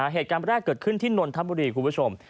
เหตุการณ์แรกเกิดขึ้นที่นนทบุรีคุณผู้ชม